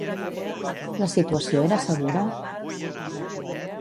La situació era segura?